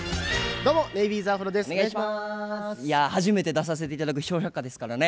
いや初めて出させて頂く「笑百科」ですからね。